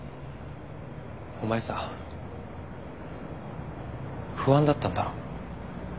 お前さ不安だったんだろ。